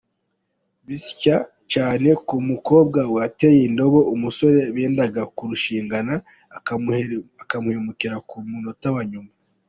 Bitsa cyane ku mukobwa wateye indobo umusore bendaga kurushingana, akamuhemukira ku munota wa nyuma.